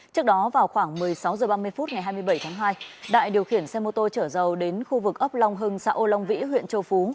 trước đó vào khoảng một mươi sáu h ba mươi phút ngày hai mươi bảy tháng hai đại điều khiển xe mô tô chở dầu đến khu vực ấp long hưng xã âu long vĩ huyện châu phú